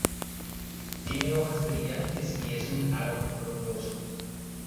Tiene hojas brillantes y es un árbol frondoso.